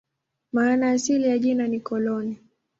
Maana asili ya jina ni "koloni".